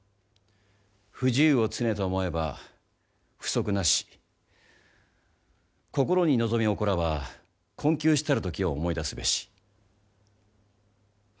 「不自由を常と思えば不足なし心に望みおこらば困窮したる時を思い出すべし」。